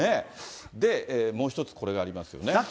もう一つ、これがありますよね。